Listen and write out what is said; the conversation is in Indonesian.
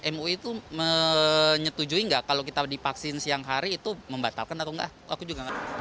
mui itu menyetujui nggak kalau kita dipaksin siang hari itu membatalkan atau enggak aku juga nggak